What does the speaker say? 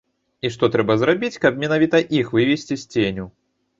І што трэба зрабіць, каб менавіта іх вывесці з ценю.